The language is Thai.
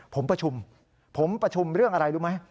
ผมประชุมผมประชุมเรื่องอะไรรู้ไหม